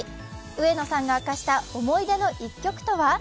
上野さんが明かした思い出の一曲とは？